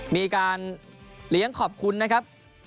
มีการเลี้ยงขอบคุณนะครับ